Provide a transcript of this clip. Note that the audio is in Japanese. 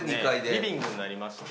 リビングになりまして。